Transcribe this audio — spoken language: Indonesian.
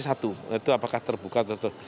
itu apakah terbuka atau tidak